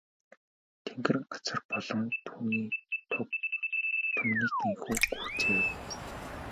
Тэнгэр газар болон түүний түг түмнийг ийнхүү гүйцээв.